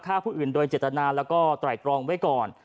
ฆ่าผู้อื่นโดยเจตนาแล้วก็ไตรตรองไว้ก่อน